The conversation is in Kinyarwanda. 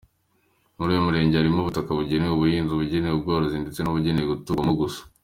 Muri uyu Murenge harimo ubutaka bugenewe ubuhinzi, ubugenewe ubworozi, ndetse n’ubugenewe guturwamo gusa.